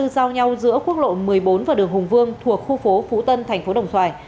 phước lộ một mươi bốn và đường hùng vương thuộc khu phố phú tân thành phố đồng xoài